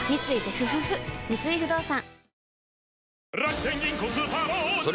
三井不動産